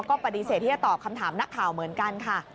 ก็ปฏิเสธที่จะตอบคำถามนักข่าวเหมือนกันค่ะ